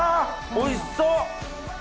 おいしそう！